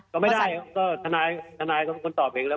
ก็ไม่ได้ทนายก็ตอบเองแล้ว